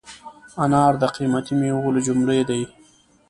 انار د قیمتي مېوو له جملې دی.